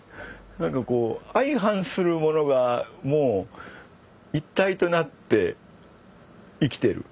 何かこう相反するものがもう一体となって生きてる。